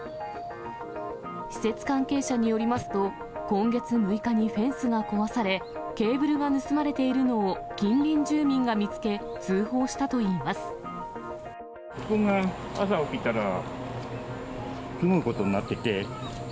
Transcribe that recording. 施設関係者によりますと、今月６日にフェンスが壊され、ケーブルが盗まれているのを近隣住民が見つけ、通報したといいまここが朝起きたら、すごいことになってて。